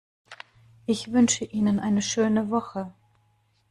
Ich wünsche Ihnen eine schöne Woche.